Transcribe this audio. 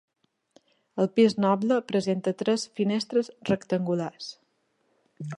El pis noble presenta tres finestres rectangulars.